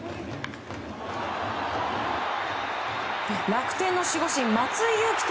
楽天の守護神松井裕樹